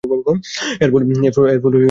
এর ফুল গোলাপ সদৃশ।